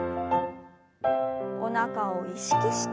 おなかを意識して。